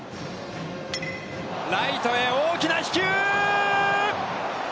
ライトへ大きな飛球！